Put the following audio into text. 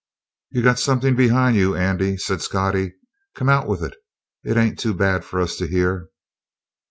"You got something behind you, Andy," said Scottie. "Come out with it. It ain't too bad for us to hear."